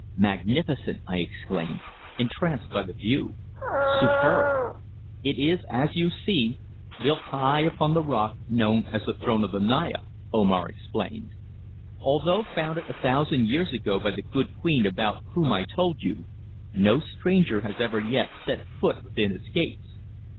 "Magnificent!" I exclaimed, entranced by the view. "Superb!" "It is, as you see, built high upon the rock known as the Throne of the Naya," Omar explained. "Although founded a thousand years ago by the good queen about whom I told you, no stranger has ever yet set foot within its gates.